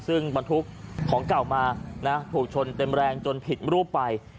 ซึ่งบรรทุกของเก่ามานะถูกชนเต็มแรงจนผิดรูปไป